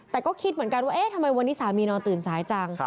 แต่ก็คิดเหมือนกันว่าเอ๊ะทำไมวันนี้สามีนอนตื่นสายจัง